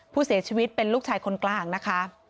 ผู้เสียชีวิตเป็นลูกชายคนกลางนะคะ